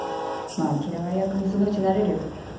まぁ嫌われ役もそのうち慣れるよ。